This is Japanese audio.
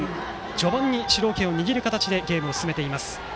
序盤に主導権を握る形でゲームを進めています。